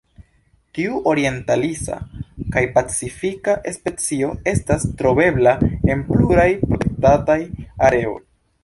Tiu orientalisa kaj pacifika specio estas trovebla en pluraj protektataj areoj.